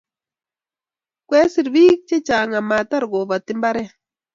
Ngwesir biik chechang amatar kobati mbaret